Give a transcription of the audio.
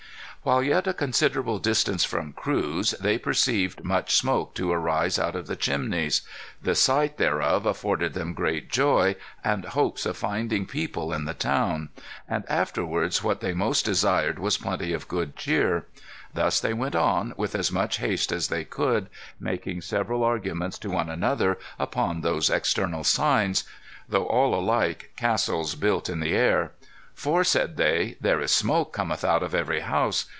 ] "While yet at a considerable distance from Cruz, they perceived much smoke to arise out of the chimneys. The sight thereof afforded them great joy, and hopes of finding people in the town; and afterwards what they most desired was plenty of good cheer. Thus they went on, with as much haste as they could, making several arguments to one another upon those external signs, though all like castles built in the air. For said they, 'There is smoke cometh out of every house.